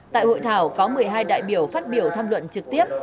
tại hội thảo có một mươi hai đại biểu phát biểu tham luận trực tiếp